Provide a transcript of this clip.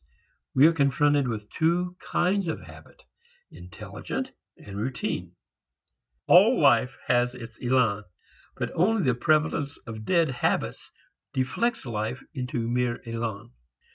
We are confronted with two kinds of habit, intelligent and routine. All life has its élan, but only the prevalence of dead habits deflects life into mere élan.